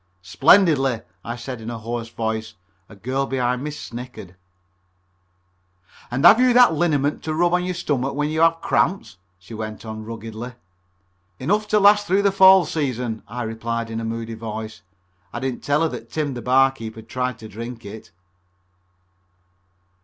"Splendidly," I said in a hoarse voice. A girl behind me snickered. "And have you that liniment to rub on your stomach when you have cramps?" she went on ruggedly. "Enough to last through the Fall season," I replied in a moody voice. I didn't tell her that Tim the barkeep had tried to drink it.